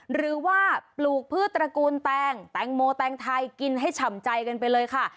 หรือว่าปลูกพืชตระกูลแตงแตงโมแตงไทยกินให้ฉ่ำใจกันไปเลยค่ะ